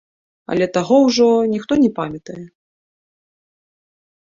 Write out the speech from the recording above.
Але таго ўжо ніхто не памятае.